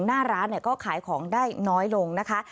หน้าร้านก็ขายของได้น้อยลงนะคะ